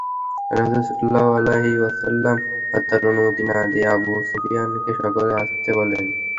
রাসূল সাল্লাল্লাহু আলাইহি ওয়াসাল্লাম হত্যার অনুমতি না দিয়ে আবু সুফিয়ানকে সকালে আসতে বলেন।